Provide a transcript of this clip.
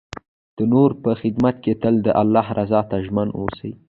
د نور په خدمت کې تل د الله رضا ته ژمن اوسئ.